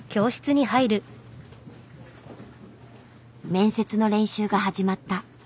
面接の練習が始まった。